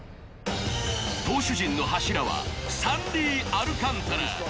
投手陣の柱はサンディ・アルカンタラ。